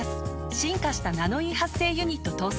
進化した「ナノイー」発生ユニット搭載。